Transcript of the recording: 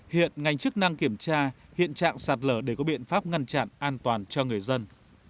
hiện ngành chức năng kiểm tra hiện trạng sạt lở để có biện pháp ngăn chặn an toàn cho người dân